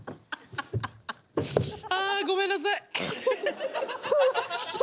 あごめんなさい。